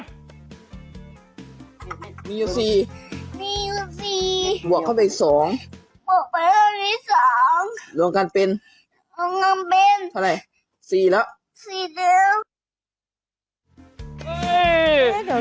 มีอยู่๔บวกเข้าไป๒ลงกันเป็นที่ไหน๔แล้ว